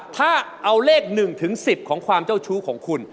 ถ้าเอาเลขหนึ่งถึงสิบของความเจ้าชู้ของคุณ